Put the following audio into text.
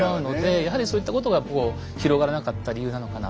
やはりそういったことが広がらなかった理由なのかな。